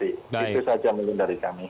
itu saja mungkin dari kami